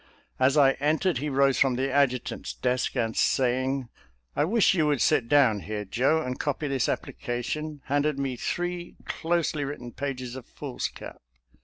As I entered, he rose from the adjutant's desk, and saying, " I wish you would sit down here, Joe, and copy this application," handed me three closely written pages of foolscap.